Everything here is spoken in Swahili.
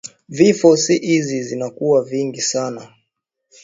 Vifo siku izi vinakuwa vingi sana